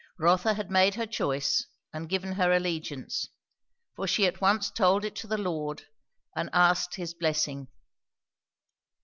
Rotha had made her choice and given her allegiance; for she at once told it to the Lord and asked his blessing.